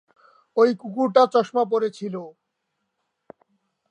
ওই কুকুরটা চশমা পরে ছিল।